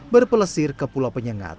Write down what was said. berpelesir ke pulau penyengat